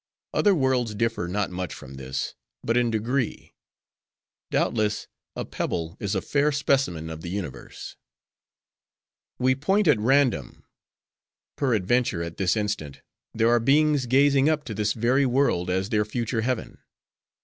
Other worlds differ not much from this, but in degree. Doubtless, a pebble is a fair specimen of the universe. "'We point at random. Peradventure at this instant, there are beings gazing up to this very world as their future heaven.